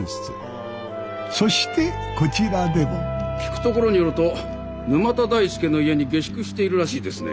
そしてこちらでも聞くところによると沼田大介の家に下宿しているらしいですね。